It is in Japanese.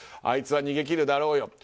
あいつは逃げ切るだろうよ